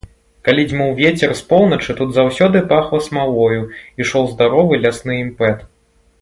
Калі дзьмуў вецер з поўначы, тут заўсёды пахла смалою, ішоў здаровы лясны імпэт.